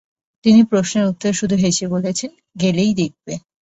তিনি প্রশ্নের উত্তরে শুধু হেসে বলেছেন, গেলেই দেখবে।